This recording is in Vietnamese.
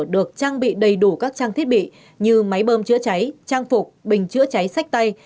được trang bị đầy đủ các trang thiết bị như máy bơm chữa cháy trang phục bình chữa cháy sách tay